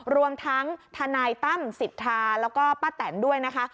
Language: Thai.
รวมทั้งทนายตั้มสิทธาแล้วก็ป้าแตนด้วยนะคะ